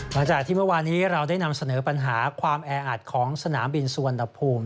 หลังจากที่เมื่อวานี้เราได้นำเสนอปัญหาความแออัดของสนามบินสุวรรณภูมิ